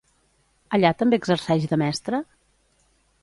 Allà també exerceix de mestra?